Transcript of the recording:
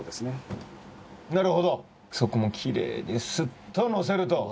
なるほどそこもキレイにすっとのせると。